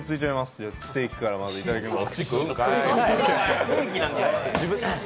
じゃあステーキからまずいただきます。